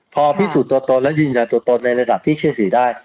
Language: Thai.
พอพิสูจน์ตัวตนและยืนยันตัวตนในระดับที่เชื่อมสีได้